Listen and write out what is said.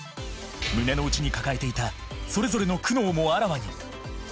胸の内に抱えていたそれぞれの苦悩もあらわに。